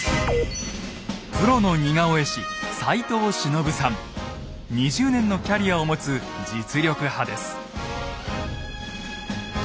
プロの似顔絵師２０年のキャリアを持つ実力派です。